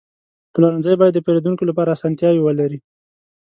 پلورنځی باید د پیرودونکو لپاره اسانتیاوې ولري.